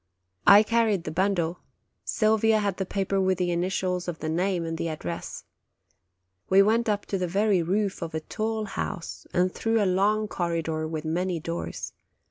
I carried the bundle ; 16 OCTOBER Sylvia had the paper with the initials of the name and the address. We went up to the very roof of a tall house, and through a long corridor with many doors.